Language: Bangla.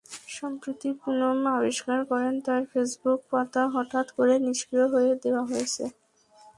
সম্প্রতি পুনম আবিষ্কার করেন তাঁর ফেসবুক পাতা হঠাত্ করেই নিষ্ক্রিয় করে দেওয়া হয়েছে।